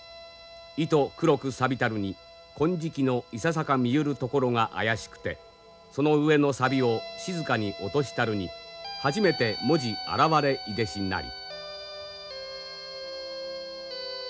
「いと黒く錆びたるに金色のいささか見ゆるところが怪しくてその上の錆を静かに落としたるにはじめて文字現れ出でしなり」。